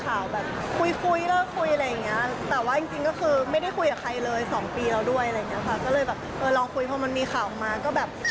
ก็เลยแบบเออลองคุยพอมันมีข่าวออกมาก็แบบ